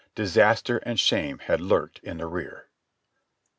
"Disaster and shame had lurked in the rear."